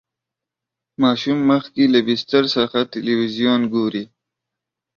ماشوم مخکې له بستر څخه تلویزیون ګوري.